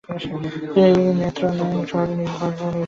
তিনি নেহ ত্রাং শহরে নিজ বাসভবনে মৃত্যুবরণ করেন।